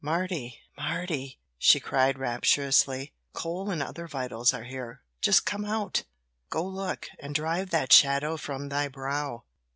"Mardy, Mardy," she cried, rapturously, "coal and other vitals are here just come out! Go look, and 'drive that shadow from thy brow!'"